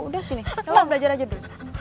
udah sini tolong belajar aja dulu